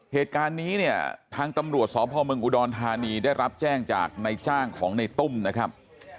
เหตุการณ์นี้เนี่ยทางตำรวจสพเมืองอุดรธานีได้รับแจ้งจากในจ้างของในตุ้มนะครับ